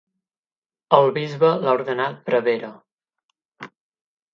El bisbe l'ha ordenat prevere.